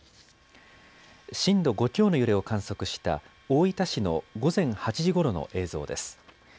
震度５強の揺れを観測した大分市の午前８時ごろの映像です。